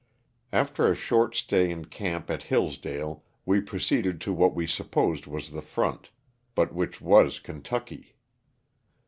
After a short stay in camp at Hillsdale we proceeded to what we supposed was the front, but which was Kentucky.